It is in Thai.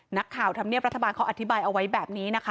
นักข้าวทำเนียบรัฐบาลเขาอธิบายเอาไว้แบบนี้นะคะ